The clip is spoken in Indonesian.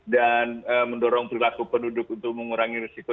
dan mendorong perilaku penduduk untuk mengurangi risiko